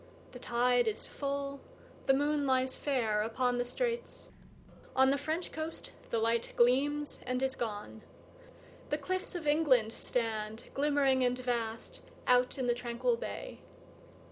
The tide is full, the moon lies fairUpon the straits;—on the French coast the lightGleams and is gone; the cliffs of England stand, Glimmering and vast, out in the tranquil bay.